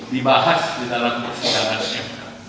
dibahas di dalam persidangan siapa